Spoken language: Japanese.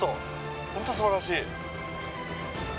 本当にすばらしい。